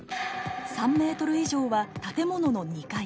３ｍ以上は建物の２階。